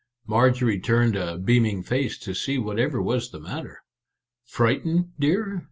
Marjorie turned a beaming face to see what ever was the matter. " Frightened, dear